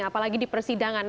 apalagi di persidangan